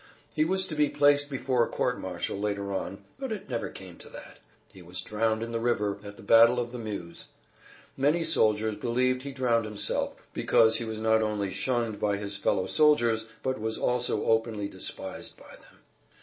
He was to be placed before a court martial later on, but it never came to that. He was drowned in the river at the battle of the Meuse. Many soldiers believed he drowned himself, because he was not only shunned by his fellow soldiers, but was also openly despised by them.